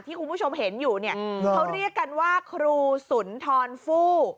ที่คุณผู้ชมเห็นอยู่เขาเรียกกันว่าครูศุนทรฟู